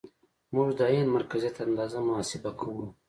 موږ د عین مرکزیت اندازه محاسبه کوو